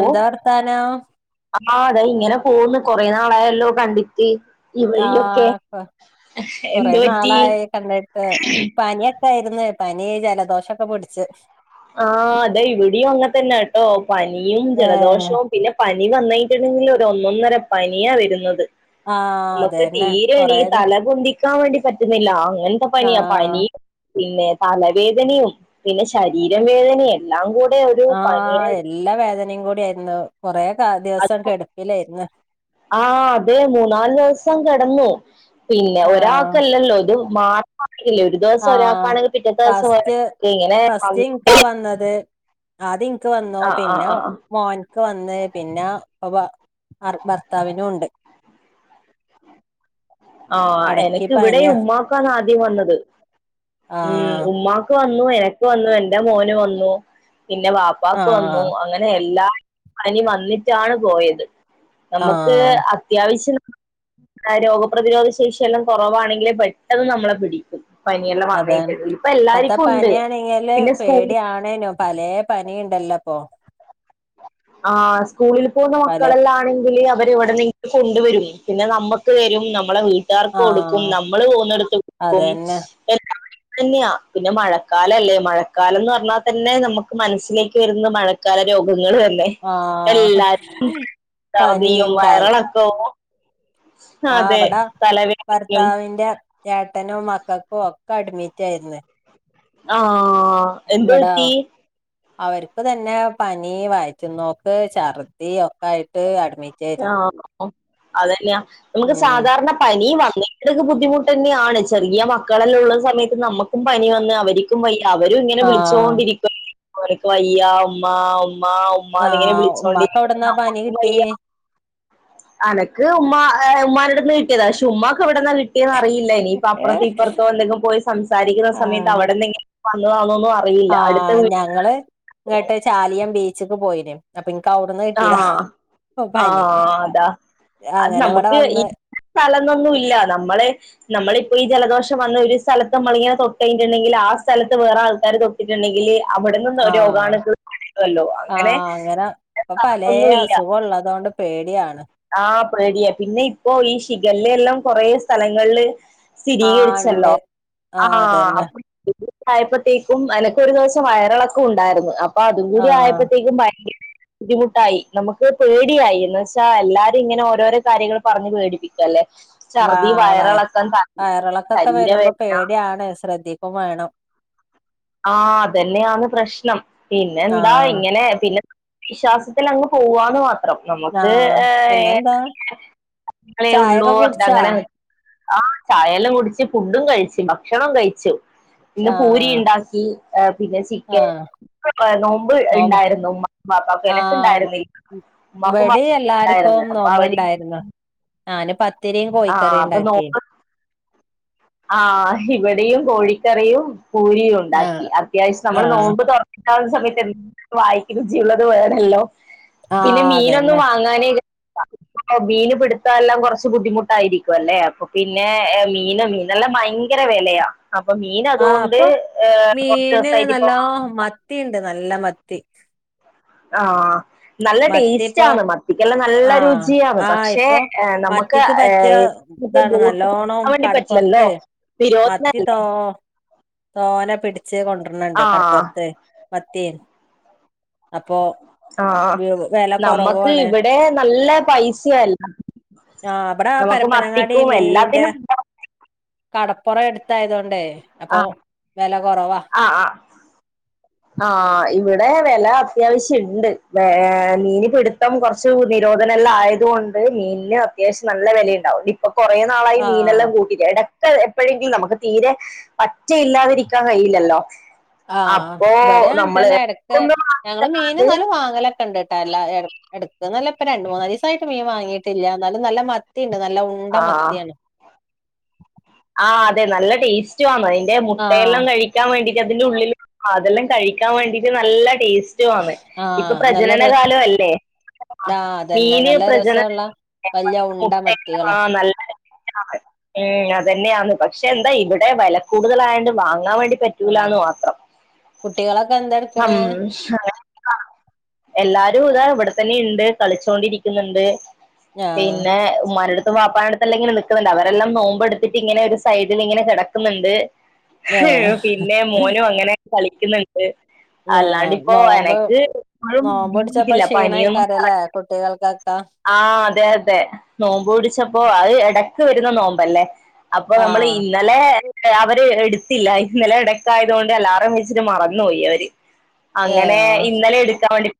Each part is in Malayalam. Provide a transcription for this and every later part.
എന്താ വർത്താനം ആഹ് താ ഇങ്ങനെ പോകുന്ന് കൊറേ നാളായല്ലോ കണ്ടിട്ട് ഈ ആ വഴിയൊക്കെ കൊ കൊറേ എന്ത് പറ്റി നാളായി കണ്ടിട്ട് പനിയ ആയിര്ന്ന് പനി ജലദോഷൊക്കെ പ്‌ട്ച്ച് ആ അതെ ഇവിടെയും അങ്ങെ തന്നെ ട്ടോ പനിയും ഏഹ് ജലദോഷവും പിന്നെ പ നി വന്നിട്ടുണ്ടെങ്കിൽ ഒരൊന്നൊന്നര പനിയാ വരുന്നത്. ആഹ് മക്ക് അതന്നെ കൊറേ തീരെണിക് ദി തല പൊന്തി ക്കാൻ വേണ്ടി പറ്റ്ന്നില്ല അങ്ങൻത്തെ പനിയാ ആഹ് പനിയും പിന്നെ തലവേദനയും പിന്നെ ഷ രീരവേദനയെല്ലാം കൂ ആ എല്ല വേദനയും കൂടിയാരുന്നു കൊറെ കാ ദിവസം കെടുപ്പിലായിരുന്നു. ആ അതെ മൂന്നാല് ദവസം കെടന്നു. പിന്നെ ആഹ് ഒരാക്കല്ലല്ലോ ത് മാറ ഇല്ല ഒരു ദിവസം ആഹ് ഒരാക്കാണെങ്കിൽ പിറ്റത്തെ ദിവസം ഒരാ ഫസ്റ്റ് ഇങ്ങനെ [unintelligible] ആദ്യൻക്ക് വന്നൂ ആഹ് പിന്നെ ആഹ് മോൻ വന്ന് പിന്ന ബ അർ ഭർത്താവിനുണ്ട്. ആ എടക്ക് എനക്ക് ഇവിടെ പനിയാ ഉമ്മാക്കാണ് ആദ്യം വന്നത് ഉം ആഹ് ഉമ്മാക് വ ന്നു എനക്ക് വന്നു എന്റെ മോന് വന്നു പിന്നെ വാപ്പാക്ക് ആഹ് വന്നു അങ്ങനെ എല്ലാ പനി വന്നിട്ടാണ് പോയത് നമ്മക്ക് ആഹ് അത്യാവശ്യം. ആ രോഗപ്രതിരോധ ശേഷിയെല്ലം കുറവാണെങ്കില് പെട്ടെന്ന് നമ്മളെ പിടിക്കും. പനിയെല്ലാം വന്ന് അതെ കഴിഞ്ഞിട്ടുണ്ടെങ്കിൽ ഇപ്പൊ ഇപ്പത്തെ എല്ലാർക്കും ഉണ്ട് പനിയാണെങ്കില് പിന്നെ സ്കൂളിൽ പേടിയണേനോ പലേ പനി എല്ലപ്പൊ ആഹ് സ്കൂളിൽ പോന്ന പല മക്കളെല്ലാണെങ്കില് അവരിവടെ നി കൊണ്ടുവരും പിന്നെ നമ്മക്ക് വരും നമ്മളെ വീ ട്ടാർക്ക് കൊടുക്കും ആഹ് നമ്മള് പോന്നെടുത്ത് ക്കും അതന്നെ [unintelligible] തന്നെയാ പിന്നെ മഴക്കാലല്ലേ മഴക്കാലം ന്ന് പറഞ്ഞാ തന്നെ നമുക്ക് മനസ്സിലേക്ക് വരുന്ന മഴക്കാല രോ ങ്ങളല്ലെ ആഹ് എല്ലാക്കും ചർദിയും പനിയും വയറളൊക്കവും. ആ വ്ട തലവേദനയും ഭർത്താവിന്റെ ഏട്ടനോ മക്കക്കോ ഒക്കെ അഡ്മിറ്റാര്ന്ന്. ആഹ് എന്ത്‌ പറ്റീ അവർക്ക് തന്നെ പനി വയ്റ്റ്ന്നോക്ക് ഛർദി ഒക്കായിട്ട് അട് ആഹ് അതന്നെയ നമ്മക്ക് ഉം സാധാരണ പനി വ നിട്ട്ക്ക് ബുദ്ധിമുട്ടന്നെയാണ് ചെറിയ മക്കളെല്ലുള്ള സമയത്ത് നമ്മക്കും പനി വന്ന് അവരിക്കും വയ്യ അവരും ഇങ്ങനെ ആഹ് വിളിച്ചോണ്ടിരിക്കും [inaudible] വയ്യ ഉമ്മാ മ്മാ ഉമ്മാന്നിങ്ങനെ ആഹ് ഉമ്മാക്ക് വിളിച്ചോണ്ടിരിക്കും എവിടന്നാ പനി നമ്മക്കും കിട്ടി വയ്യ അനക്ക് ഉമ്മ എ ഉമ്മാന്റട്ത്ത്ന്ന് കിട്ടിയത ക്ഷേ ഉമ്മാക്കെവ് ടെന്ന് കിട്ടിയന്നറിയില്ലനിപ്പപ്പർത്തിപ്പർത്തോന്തെങ്കും പോയി സംസാരിക്കുന്ന സയത്തവടന്ന് കി വന്നതാന്നോ ആ ഞങ്ങള് ങ്ങട്ട് ചാലിയം ബീച്ച്ക്ക് പോയിന്. ൻക്കവുട്ന്ന് കിട്ടിയത. ആ അത അത് അങ്ങനെ ഇവിടെ നമുക്ക് ഈ വന്ന് സ്ഥലന്നൊന്നുല്ല നമ്മള് നമ്മളിപ്പൊ ഈ ജലദോഷം വന്ന് ഒരു സ്ഥലത്ത് നമ്മളിങ്ങനെ തൊട്ടയ്ഞ്ഞ്ണ്ടെങ്കില് ആ സ്ഥലത്ത് വേറെ ആൾക്കാര് തൊട്ട്ട്ട്ണ്ടെങ്കില് അവ്ടന്ന് ആഹ് രോഗണക്കള് പടരൊല്ലോ അങ്ങനെ പ്പൊ പലേ ഒന്നുമില്ല അസുഖൊള്ളതൊണ്ട് പേടിയാണ്. ആ പേടിയ പിന്നെ ഇപ്പോ ഈ ശിഖല്ലേല്ലം കൊറേ സ്ഥലങ്ങള് ആഹ് ഇണ്ട് സ്ഥിതീകരിച്ചല്ലോ ആഹ് ആഹ് ആ ആയപ്പോത്തേക്കും അനക്ക് ഒരു ദിവസം വയറിളക്കം ഉണ്ടായിരുന്നു അപ്പൊ അതും കൂടി ആഹ് ആയപ്പത്തേക്കും ഭയങ്കര ബുദ്ധിമുട്ടായി നമക്ക് പേടിയായി എന്ന് വെച്ചാ എല്ലാരും ഇങ്ങനെ ഓരോരോ കാര്യങ്ങൾ പറഞ് പേടിപ്പിക്കല്ലേ വാ ഛർദി വ വയറെളക്കം ത വയറിളക്കൊക്കെ വരുമ്പോ ശരീരവേദന പേടിയാണ് ശ്രദ്ധിക്കും വേണം ആ അതന്നെയാണ് പ്രശ്നം പിന്നെന്താ ആഹ് ഇങ്ങനെ പിന്നെ വിശ്വാസത്തിൽ അങ്ങ് പോവാന്ന് മാത്രം അ നമുക്ക് ആഹ് പിന്നെന്താ ഏങ്ങളേ ഉള്ളൂ ചായൊക്കെ അ കുടിച്ചാ അങ്ങനെ ആ ചായെല്ലാം കുടിച്ച് ഫുഡും കഴിച്ചു ഭക്ഷണം കഴിച്ചു പിന്ന പൂരി ആഹ് ഉണ്ടാ ആ പിന്നെ ചിക്കൻ ആഹ് നോമ്പ് ഉണ്ടായിരുന്നു മ പാപ്പക്കെ എനക്ക ഇണ്ടായിരുന്നു വെടി എല്ലാർക്കും നോമ്പണ്ടായിരുന്നു ഞാന് പ ഇത്തിരിയും ആ കോഴിക്കറ അപ്പൊ നോ ഉണ്ടാക്കി ആ ഇവിടെയും കോഴികറിയും പൂരി ആഹ് ഉണ്ടാക്കി അത്യാവ്ശ് നമ്മള് ആഹ് നോമ്പ് തൊറ ണ്ടവ്ന്ന സമയത്ത്എൻ വായിക്ക് രുചിയുള്ളത് വേണെല്ലോ പിന്നെ ആഹ് മീനൊന്നും അതന്നെ വാങ്ങാനേ [unintelligible] അഹ് മീന് പിടുത്തല്ലാം കൊറച്ച് ബുദ്ധിമു ട്ടായിരിക്കുവല്ലേ അപ്പൊ പിന്നെ ഏഹ് മീന് മീനല്ലം ഭയ്ങ്കര വെലയാ അപ്പൊ മീൻ ആഹ് അതോണ്ട് അപ്പൊ ഏഹ് മീന് ഒർച്ചോസായിട്ട് ഇപ്പൊ നല്ലോ മത്തിണ്ട് നല്ല മത്തി ആഹ് നല്ല മത്തി ഇപ്പോ ടേസ്റ്റന്ന് മത്തിക്കെല്ലാം നല്ല ആഹ് രുചിയാന്ന് ആഹ് പക്ഷെ ഇപ്പൊ നമ്മക്ക് മത്തിക്ക് പറ്റിയ ഏഹ് ന്ന്ഇപ്പൊ ഇതാണ് ബോട്ട് [unintelligible] നല്ലോണം ക്കാൻ വേണ്ടി പറ്റ്ല്ലല്ലോ കടപ്പുറത്ത് നിരോ മത്തി തോ [unintelligible] തോനെ പിടിച്ച് കൊടൃണ്ണ്ട് കടപൊർത്തെ മത്തി അപ്പൊ ആഹ് അഹ് വില നമ്മക്ക് കുറവാണ് ഇവിടെ നല്ല പൈസ്യല്ല ആഹ് ഇബ്ട പരപ്പനങ്ങാടി മീന്റെ എല്ലാത്തിനും കടപ്പൊറ എടുത്തായതൊണ്ടേ അപ്പൊ ആഹ് വെല ആഹ് ആഹ് ആ ഇവിടെ വെല അത്യാവശ്യം ണ്ട് ഏ നീനി പെടു ഇം കുറച്ച് നിരോധന എല്ലാം ആയതുകൊണ്ട് മീലിന് അത്യാവശ്യം നല്ല വിലയുണ്ടാവും ഇപ്പൊ കുറേ നാളായി ആഹ് മീനെല്ലാം കൂട്ടിട്ട് എടക് എപ്പോഴെങ്കിലും നമുക്ക് തീരെ പറ്റയില്ലാതിരിക്കാൻ കഴിയില്ലല്ലോ ആഹ് അപ്പോ ഇവിടെ നമ്മള് ങ്ങനന്നെ ഇടക്ക് ഞങ്ങള് മീൻ ന്നാലും വാങ്ങലൊക്കെ ഉണ്ട് കേട്ടാ എല്ലാ എടക്ക് അല്ല ഇപ്പ രണ്ട് മൂന്നു ദിവസം ആട്ട് മീൻ വാങ്ങീട്ടില്ല എന്നാലും നല്ല മത്തി ണ്ട് നല്ല ഉണ്ട മത്തിയാണ് ആഹ് അതെ നല്ല ടേസ്റ്റും ആന്ന് അതിന്റെ ആഹ് മുട്ടയെല്ലാം കഴിക്കാൻ വേണ്ടി അതിന്റെ ഉള്ളിൽ അതെല്ലാം കഴിക്കാൻ വേണ്ടിയിട്ട് നല്ല ടേസ്റ്റ് ഇപ്പൊ ആഹ് നല്ല പ്രചനന രസ് കാലം അല്ലേ ആഹ് അതന്നെ മീന് നല്ല പ്രജനനം രസള്ള വല്യ ഉണ്ട മുട്ട മത്തികളാ ആഹ് നല്ല ഉം അതന്നെയന്ന് പക്ഷെ എന്താ ഇവിടെ വില കൂടുതല് ആായതോണ്ട് വാങ്ങാൻ വേണ്ടി ആഹ് പറ്റൂലാന്ന് മാത്രം കുട്ടികളൊക്കെ ഹം എന്തെട്ക്ക്ണ് എല്ലാരും ഇതാ ഇവിടെ ഇവിടെ തന്നെ ഉണ്ട് കളിച്ചൊണ്ടിരിക്കുന്നുണ്ട് ആഹ് പിന്നെ ഉമ്മാന്റടു വാപ്പാടുത്തെല്ലാം ഇങ്ങെ നിൽക്കുന്നുണ്ട് അവരെല്ലാം നോമ്പെടുത്തിട്ട് ഇങ്ങനെ ഒരു സൈഡിൽ ഇങ്ങനെ കിടക്കുന്നുണ്ട് ഏഹ് പിന്നെ മോനും അങ്ങനെ കളിക്കുന്നുണ്ട് അല്ലാണ്ട് ആഹ് ഇപ്പോ നോമ്പ് എനക്ക് എപ്പോഴും നോമ്പൊട്ച്ചപ്പോ കിട്ടില്ല പനിയൊന്നും ക്ഷീണേക്കാരല്ലേ കറക്- കുട്ടികൾക്കൊക്കെ ആഹ് അതെ അതെ നോമ്പ് ടിച്ചപ്പോ അത് ഇടക്ക് വരുന്ന നോമ്പല്ലേ അപ്പൊ നമ്മള് ആഹ് ഇന്നലെ അവര് എടുത്തില്ല ഇന്നല ഇടക്കായത് കൊണ്ട് അലാറം വച്ചിട്ട് മറന്നുപോയി അവര് അങ്ങനെ ഏഹ് ഇന്നലെ എടുക്കാൻ വേണ്ടി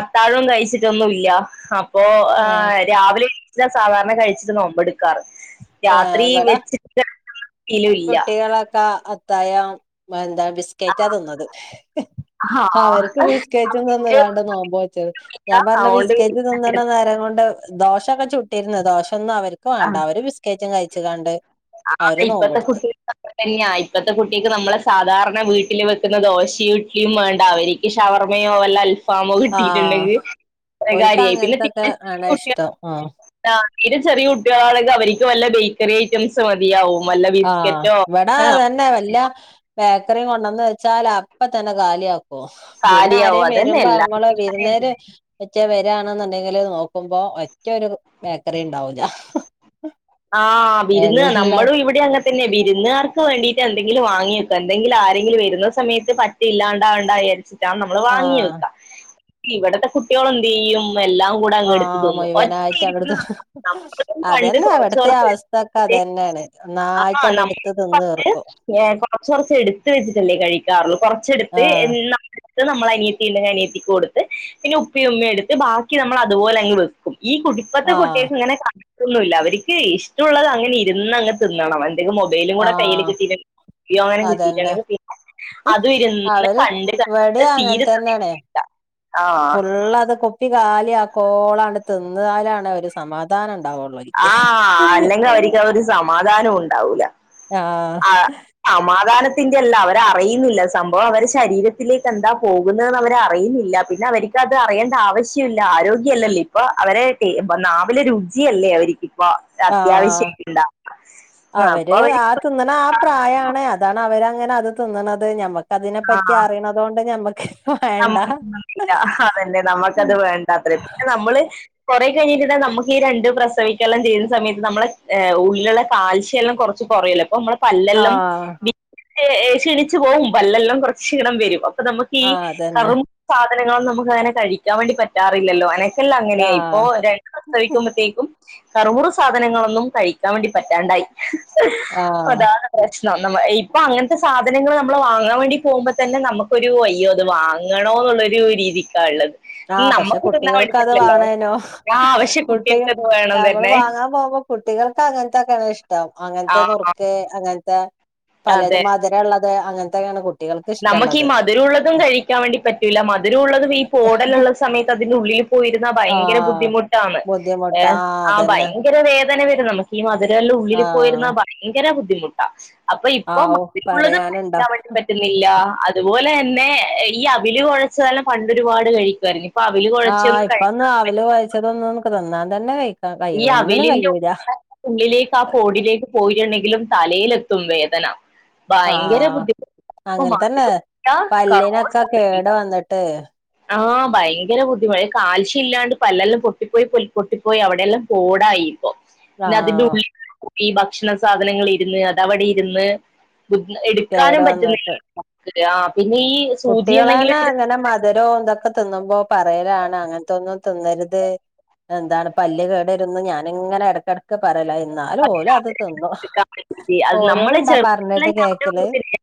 അത്താഴം കഴിച്ചിട്ടൊന്നുംല്ല ആ ഇപ്പോ ആഹ് രാവിലെ സാധാരണ കഴിച്ചിട്ട് നോമ്പെടു രാത്രി ഇവടെ വെച്ചിട്ട് കെടക്കണ ശീലംഇല്ല- മുത്തായ എന്താ ബിസ്കറ്റാ തിന്നത് ആ അവർക്ക് ബിസ്കറ്റും തിന്ന് കാണ്ട നോമ്പോ വെച്ചത് ഞാൻ പറഞ്ഞ ബിസ്കറ്റ് അതുകൊണ്ട് നിന്തണ നേരം കൊണ്ട്- ദോശൊക്കെ ചുട്ടിരുന്നു ദോശൊന്നും അവര് - അവര് ബിസ്ക്കറ്റും കഴിച്ച് കാണ്ട്- അവര് ആഹ് ഇപ്പത്തെ നോമ്പെടുത്ത് കുട്ടിക് അങ്ങനെ തന്നെയാ ഇപ്പത്തെ കുട്ടിക്ക് നമ്മളെ സാധാരണ വീട്ട് ട്ടില് വെക്കുന്ന ദോശയും ഇഡ്ലിയും വേണ്ട അവരിക്ക് ഷവർമ്മയോ വല്ല അൽഫ് ഫാമോ ആഹ് കിട്ടീട്ടുണ്ടെങ്കിൽ അത്രേ ഓൽക്ക് കാര്യായി. പിന്നെ അങ്ങനത്തൊക്കെ ആണ് ഇഷ്ടം ആഹ് [inaudible] ആ തീരെ ചെറിയ കുട്ടികളാണെങ്കിൽ അവര്ക്ക് വല്ല ബേക്കറി ഐറ്റംസ് മതിയാവും- വല്ല ആഹ് ബിസ്ക്കറ്റോ ഇവിടാ ആഹ് അതന്നാ വല്ല- ബേക്കറി കൊണ്ടന്ന് വെച്ചാലപ്പ തന്നെ കാലിയാക്കും- പിന്നെ കാലിയാവും ആരേം അതന്നെ വരുമ്പോ അമ്മള് എല്ലാർക്കും വിരുന്നേര്- റ്റ വരാണെന്ന്ണ്ടെങ്കില് നോക്കുമ്പോ ഒറ്റൊരു ബേക്കറി ഉണ്ടാവൂല്ല ആഹ വിരുന്ന് നമ്മളും ഇവിടെ അങ്ങന ത്തന്നെ വിരുന്നുകർക്ക് വേണ്ടീട്ട് എന്തെങ്കിലും വാങ്ങിയക്കോ എന്തെങ്കിലും ആരെങ്കിലും വരുന്ന സമയത്ത് പറ്റില്ലാണ്ടാകണ്ടാന്ന് വിചാരി ച്ചാണ് നമ്മൾ ആഹ് വാങ്ങിവെക്ക. ഇവിടത്തെ കുട്ടികൾ എന്ത് ചെയ്യും എല്ല കൂടെ അങ്ങ് എടുത്ത് ആഹ് തിന്നും. ഒറ്റ മുഴുവനായിട്ടങ്ങെടുത്ത് രിപ്പിന് [inaudible] പണ്ട് ത്തെ കുറച്ച് എടുത്ത് അവസ്ഥൊക്കെ വെച്ചിട്ട് അതെന്നെയാണ്. ആ ഒന്നായ്റ്റാണ്ട് നമ്മൾ എടുത്ത് തിന്ന് പണ്ട് തീർക്കും ഏ കൊറച്ച കുറച്ച് എടുത്ത് വെച്ചിട്ടല്ലേ കഴിക്കാറുള്ളൂ. കൊറച്ചെടുത്ത് ആഹ് എന്നാ ടുത്ത് നമ്മൾ അനിയത്തി ഉണ്ടെങ്കിൽ അനിയത്തിക്ക് കൊടുത്ത് പിന്നെ ഉപ്പേം ഉമ്മേം എടുത്ത് ബാക്കി നമ്മൾ അതുപോലെ അങ്ങ് വെക്കും ഈ കുടി ഇപ്പത്തെ ആഹ് കുട്ട്യേക്ക് ങ്ങനെ കണൊന്നുമില്ല അവർക്ക് ഇഷ്ടുള്ളത് അങ്ങനെ ഇരുന്നങ്ങ് തിന്നണം അവൻ പിന്നെ മൊബൈലും കൂടെ കയ്യിൽ ആഹ് കിട്ടിയിട്ട് അങ്ങനെ അതന്നെ കിട്ടിട്ടുണ്ടെങ്കി അത് ഇരുന്ന് അവര് കണ്ട് കണ്ട് ഇവിടേം അങ്ങനെ തീരെ സമയ തന്നെയാണ് ഫുള്ളത് കുപ്പി കാലി ആക്കോളാണ്ട് തിന്നാലാണ് ഒരു സമാധാന ആഹ അല്ലെങ്കിൽ അവർക്ക് അവ ഒരു സമാധാനൂണ്ടാവൂല ആഹ് അല്ല അവരറിയുന്നില്ല സംഭവം അവരെ ശരീരത്തിലേക്ക് എന്താ പോകുന്നതെന്ന് അവർ അറിയുന്നില്ല പിന്നെ അവർക്ക് അത് അറിയേണ്ട ആവശ്യല്ല. ആരോഗ്യല്ലല്ലേ ഇപ്പൊ അവരെ നാവിലെ രുചിയല്ലേ അവര് ആഹ അവര് ആ തിന്ന്ണ ആ പ്രായാണ് അതാണ് അവര് അങ്ങനെ അത് തിന്നണത് ഞമ്മക്ക് അതിനെ ആ, പറ്റി അറിയണതോണ്ട് ഞമ്മക്ക് വേണ്ട നമ്മ അതന്നെ ഉം നമ്മുക്കത് വേണ്ടാത്ര പിന്നെ നമ്മള് കുറെ കഴിഞ്ഞിട്ട്ണ്ടേൽ നമുക്ക് ഈ രണ്ട് പ്രസവിക്കെല്ലാം ചെയ്യുന്ന സമയത്ത് നമ്മുടെ ഉള്ളിലുള്ള കാൽശ്യല്ലാം കുറച്ച് കൊറയല്ലോ ഇപ്പം നമ്മളെ പല്ലെല്ലാം ആഹ് ക്ഷീണിച്ചു പോവും പല്ലെല്ലാം കുറച്ച് ക്ഷീണം വരും അപ്പൊ നമുക്ക് ഈ ആഹ് അതന്നെ കറുമുറ സാധനങ്ങളൊന്നും നമുക്ക് അങ്ങനെ കഴിക്കാൻ വേണ്ടി പറ്റാറില്ലല്ലോ അങ്ങനെ ല്ല അങ്ങനെയാ ഇപ്പൊ ആഹ് രണ്ട് പ്രസവിക്കുമ്പോഴത്തേക്കും കറമുറ സാധനങ്ങളൊന്നും കഴിക്കാൻ വേണ്ടി പറ്റാണ്ടായി ആഹ് അതാണ് പ്രശ്ന ഇപ്പൊ അങ്ങനത്തെ സാധനങ്ങൾ നമ്മൾ വാങ്ങാൻ വേണ്ടി പോകുമ്പോ തന്നെ നമുക്കൊരു അയ്യോ അത് വാങ്ങ വാങ്ങണോ എന്നുള്ളെരു രീതിക്കാ ള്ളത് ആഹ പക്ഷെ കുട്ടികൾക്ക് അത് വേണേനൂ ആ ആവശ്യ കുട്ടി കുട്ടികൾക്കത് വേണം നമ്മള് തന്നെ വാങ്ങാൻ പോുമ്പോ കുട്ടികൾക്ക് അങ്ങനത്തക്കേണിഷ്ടം ആ അങ്ങനത്തെ നുറുക്ക് അങ്ങനത്തെ പലത് മധുരള്ളത് അങ്ങൻത്തെക്കെയാണ് കുട്ടി നമുക്കീ മധുരള്ളതും കഴിക്കാൻ വേണ്ടി പറ്റൂല മധുരള്ളതും ഈ പോട സമയത്ത് അതിന്റെ ഉള്ളിൽ പോയിരുന്ന ഭയങ്കര ആഹ് ബുദ്ധിമുട്ടാണ് ഏ ബുദ്ധിമുട്ട് ആഹ് ആ അതന്നെ ഭയങ്കര വേ ദന വരും നമുക്ക് ഈ മധുരല്ലോ ഉള്ളിൽ പോയിരുന്നാ ആഹ് ഭയങ്കര ബുദ്ധിമുട്ടാ അപ്പൊ ഇപ്പൊ ആവൂ മറ്റു പറയാനുണ്ടോ [inaudible] ഇല്ല അതുപോലെന്നെ ഈ അവില് കൊഴച്ചതല്ല പണ്ടരുപാട് കഴിക്കുവാ യ്ർന്നു ആഹ് ഇപ്പന്ന് അവില് കൊഴച്ചതൊന്നും നമക്ക് തന്നാൻ തന്നെ വെയ് ഈ അവലിന്റെ [inaudible] ഉള്ളിലേക്ക് ആ കോഡിലേക്ക് പോയിട്ടുണ്ടെങ്കിലും തലയിലെത്തു തും വേദന ഭയങ്കര ആഹ് ബുദ്ധിമുട്ട [inaudible] അങ്ങൻ തന്നെ പല്ലിനൊക്കെ കേട് വന്നിട്ട് [unintelligible] ആഹ ഭയങ്കര ബുദ്ധിമുട്ടാ. കാൽശ്യം ഇല്ലാണ്ട് പല്ലെല്ലാം പൊട്ടിപ്പോയി പൊട്ടിപ്പോയി അവിടെയെല്ലാം പോടായിപ്പോ പിന്നെ അതിന്റെ ആഹ് ഉള്ളില പോയി ഭക്ഷണ സാധനങ്ങൾ ഇരുന്ന് അതവിടെ ഇരുന്ന് എടുക്കാനും കേട് പറ്റുന്നില്ലല്ലോ കുട്ട്യേളെന്നെ ഇങ്ങനെ മ ത് രോ ന്തൊക്കെ തിന്നുമ്പോ പറയലാണ് അങ്ങനത്തൊന്നും തിന്നര്ത് എന്താണ് പല്ല് കേടരുന്ന് ഞാന് ങ്ങനെ ഇടക്കട ക്കെ പറയലാ എന്നാലും ഓലോ അത് തിന്നു എടുക്കാൻ പറ്റില്ലേ അത് ഓലോട് നമ്മളെ ണ്ടോ ചെറുതിലെല്ലാം പറഞ്ഞിട്ട് ഞാൻ കേക്കല് തിന്നിട്ടില്ല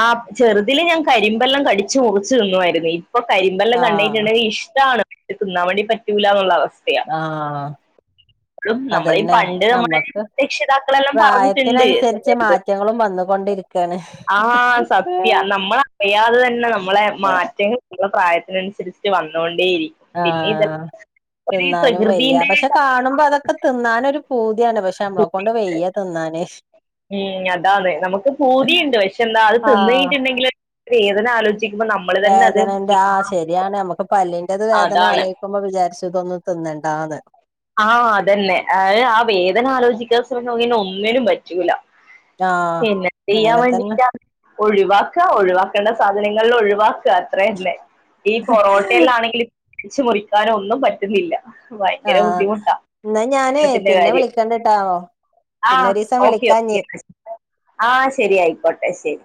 ആ ചെറുതിൽ ഞാൻ കരിമ്പെല്ലം കടിച്ചു മുറിച്ചു തിന്നുവായിരു ന്നെയ് ഇപ്പൊ കരിമ്പെല്ലാം ആഹ് കണ്ടെയ്ഞ്‌ണ്ടങ്കി ഇഷ്ടാണ് തിന്നാവേണ്ടി പറ്റൂല ന്നൊള്ള വസ്ഥ ആ നമ്മളീ അതന്നെ പണ്ട് നമ്മുടെ നമ്മക്ക് രക്ഷിതാക്കളെല്ലാം പറഞ്ഞിട്ടുണ്ട് പ്രായത്തിനനുസരിച്ച് തിന്നരുത് മാറ്റങ്ങളും വന്നു കൊണ്ടിരിക്കയാണ് ആ സത്യ നമ്മളറിയാതെ തന്നെ നമ്മളെ മാറ്റങ്ങൾ മ്മളെ പ്രായ അതിനനുസരിച്ച് വണോ ആ ഒരു തിന്നാനും വയ്യ പ്രകൃതിന്റെ പക്ഷെ കാണുമ്പോ അതൊക്കെ തിന്നാനൊരു പൂതിയാണ് പക്ഷെ നമ്മളെക്കൊണ്ട് വെയ്യ തിന്നാന് ഉം അതാണ് നമുക്ക് പൂതിണ്ട് പക്ഷെ എന്താ അത് തിന്ന് കഴിഞ്ഞ് ആഹ് ട്ട്ണ്ടെങ്കിൽ വേദനാലോചി വേദനന്റെ ആ ശെരിയാണ് അമ്മക്ക് പല്ലി ഏത് വേദന അതാണ് ആലോയ്ക്കുമ്പോ വിചാര്ച്ചും ഇതൊന്നും തിന്നണ്ടാന്ന് ആ അതെന്നെ ആ വേദന ആലോചിക്കാ [unintelligible] പിന്നെ ഒന്നിനും പറ്റൂല ആഹ് പിന്നെ ചെയ്യാൻ അങ്ങനെ തന്നെ വേണ്ടിട്ട ഒഴിവാക്ക ഒഴിവാ കണ്ട സാധനങ്ങൾ ഒഴിവാക്ക അത്രന്നെ ഈ പൊറോട്ടേലാണെങ്കില് കടിച്ച് മുറിക്കാനൊന്നും പറ്റുന്നില്ല ആ ഭയങ്കര ബുദ്ധിമുട്ടാ ന്നാ ഞാനേ ഇഷ്ടത്തിന്റെ പിന്നെ കാര്യം വിളിക്കണ്ട്ട്ടോ ആ പിന്നെ ഒരീസം ഓക്കെ ഓക്കെ വിളിക്കാഞ്ഞി ആ ശെരി ആയ്ക്കോട്ടെ ശെരി